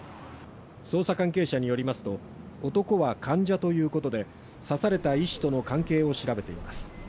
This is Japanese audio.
捜査関係者によりますと男は患者ということで刺された医師との関係を調べています